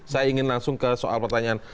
saya ingin langsung ke soal pertanyaan